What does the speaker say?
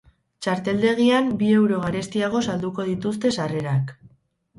Txarteldegian bi euro garestiago salduko dituzte sarrerak.